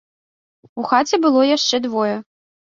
У хаце было яшчэ двое.